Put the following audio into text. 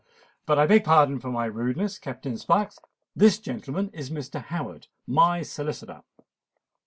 But I beg pardon for my rudeness, Captain Sparks:—this gentleman is Mr. Howard—my solicitor."